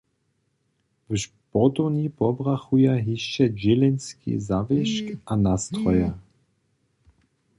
W sportowni pobrachuja hišće dźělenski zawěšk a nastroje.